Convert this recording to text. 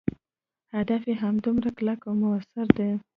هدف یې همدومره کلک او موثر دی.